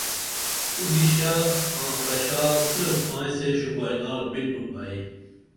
اُدیشہ آں پرشا صرف تائی سے شوبائنار بِنُم ائی